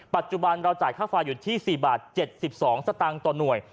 ปัจจุบันเราจ่ายค่าไฟอยู่ที่๔บาท๗๒สตางค์ต่อหน่วย